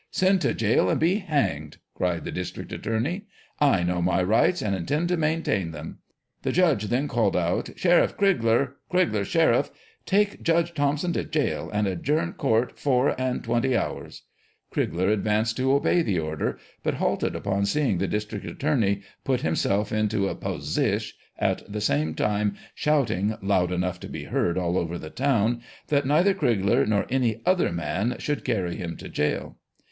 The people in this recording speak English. " Send to jail and be hanged !" cried the district attorney. "I know my rights, and intend to maintain them." The judge then called out " Sheriff Crigler, Crigler Sheriff, take Judge Thompson to jail, and adjourn court four aud twenty hours !" Crigler advanced to obey the order, but halted upon seeing the district at torney put himself into a " pdsish ;" at the same time shouting loud enough to be heard all over the town that neither Crigler nor any other man should carry him to jail.